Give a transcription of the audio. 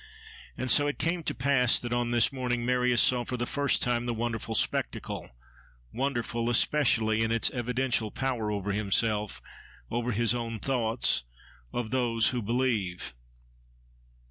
And so it came to pass that, on this morning Marius saw for the first time the wonderful spectacle—wonderful, especially, in its evidential power over himself, over his own thoughts—of those who believe.